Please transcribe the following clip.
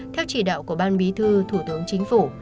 theo chỉ đạo của ban bí thư thủ tướng chính phủ